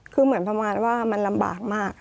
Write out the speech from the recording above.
คือเหมือนประมาณว่ามันลำบากมาก